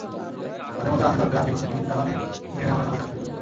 তাঁদের মধ্যে রাশেদ ওরফে আশিক হোসেনি দালানে গ্রেনেড হামলার সঙ্গে সরাসরি জড়িত।